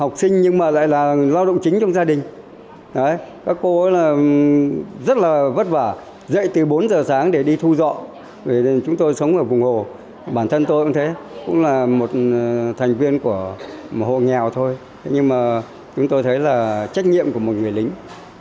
chân tôi cũng thế cũng là một thành viên của một hộ nghèo thôi nhưng mà chúng tôi thấy là trách nhiệm của một người lính